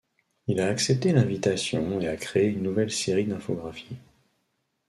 Il a accepté l'invitation et a créé une nouvelle série d'infographie.